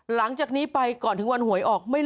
หลังจากนี้ไปก่อนถึงวันหวยออก